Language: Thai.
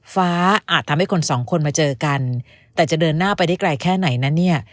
อาจทำให้คนสองคนมาเจอกันแต่จะเดินหน้าไปได้ไกลแค่ไหนนะเนี่ย